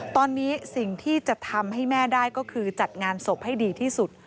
ตอนนี้สิ่งที่จะทำให้แม่ได้ก็คือจัดงานศพให้ดีที่สุด